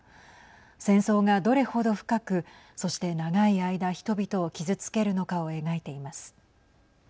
戦争が、どれほど深くそして長い間人々を傷つけるのかを描いています。